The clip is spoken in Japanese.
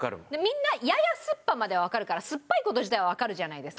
みんなややすっぱまではわかるからすっぱい事自体はわかるじゃないですか。